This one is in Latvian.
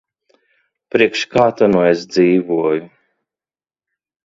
Priekš kā ta nu es dzīvoju.